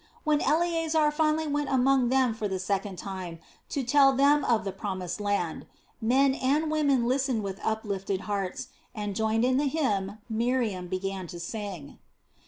When Eleasar finally went among them for the second time to tell them of the Promised Land, men and women listened with uplifted hearts, and joined in the hymn Miriam began to sing.